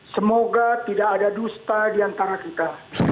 semoga tidak ada dusta di antara kita